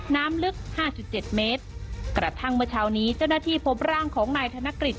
น้ำลึกห้าจุดเจ็ดเมตรกระทั่งเมื่อเช้านี้เจ้าหน้าที่พบร่างของนายธนกฤษ